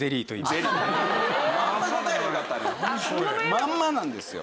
まんまなんですよ。